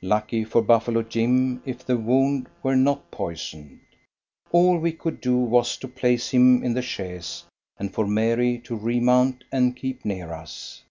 Lucky for Buffalo Jim if the wound were not poisoned. All we could do was to place him in the chaise, and for Mary to remount and keep near us.